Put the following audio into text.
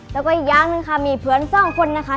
แล้วก็อีกอย่างหนึ่งค่ะมีเพื่อนสองคนนะคะ